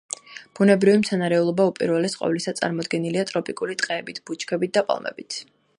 ბუნებრივი მცენარეულობა უპირველეს ყოვლისა წარმოდგენილია ტროპიკული ტყეებით, ბუჩქებით და პალმებით.